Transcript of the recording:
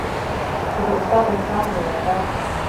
چې د استاد احسان ورادا کړم.